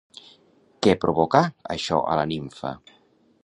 Què provocà això a la nimfa?